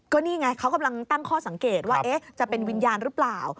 ก็นี่ไงเขากำลังตั้งข้อสังเกตว่าจะเป็นวิญญาณหรือเปล่า